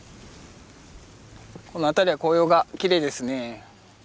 この辺りは紅葉がきれいですね。